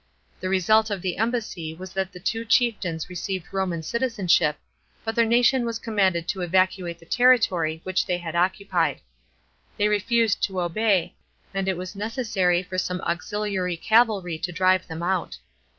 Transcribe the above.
The result of the embassy was that the two chieftains received Roman citizenship, but their nation was commanded to evacuate the territory which they had occupied. They refused to obey, and it was necessary for some auxiliary cavalry to drive them out.